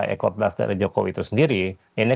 ekor ekor dari jokowi itu sendiri ini